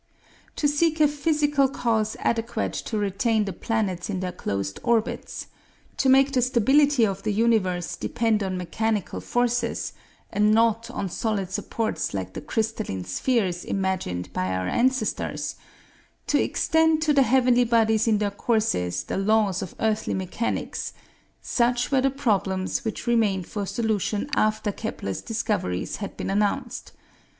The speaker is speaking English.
To seek a physical cause adequate to retain the planets in their closed orbits; to make the stability of the universe depend on mechanical forces, and not on solid supports like the crystalline spheres imagined by our ancestors; to extend to the heavenly bodies in their courses the laws of earthly mechanics, such were the problems which remained for solution after Kepler's discoveries had been announced.